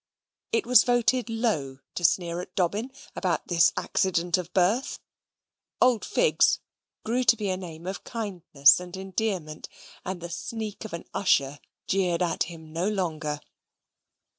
It was voted low to sneer at Dobbin about this accident of birth. "Old Figs" grew to be a name of kindness and endearment; and the sneak of an usher jeered at him no longer.